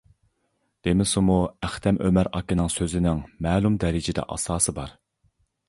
دېمىسىمۇ، ئەختەم ئۆمەر ئاكىنىڭ سۆزىنىڭ مەلۇم دەرىجىدە ئاساسى بار.